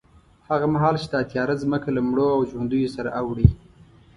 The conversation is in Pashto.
هغه مهال چې دا تیاره ځمکه له مړو او ژوندیو سره اوړي،